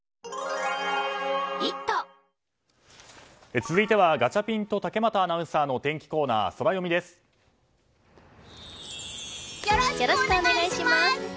続いてはガチャピンと竹俣アナウンサーのよろしくお願いします！